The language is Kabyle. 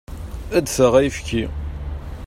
Ad d-taɣ ayefki.